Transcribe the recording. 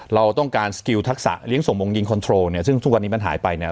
เราต้องการทักษะหรือยังส่งมงยิงเนี้ยซึ่งทุกวันนี้มันหายไปเนี้ย